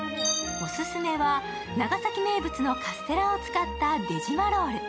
おすすめは長崎名物のカステラを使った出島ロール。